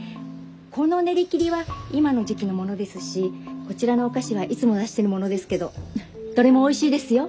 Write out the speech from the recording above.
この練り切りは今の時期のものですしこちらのお菓子はいつも出してるものですけどどれもおいしいですよ。